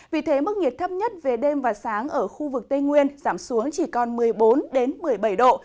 vì thế mức nhiệt thấp nhất về đêm và sáng ở khu vực tây nguyên giảm xuống chỉ còn một mươi bốn một mươi bảy độ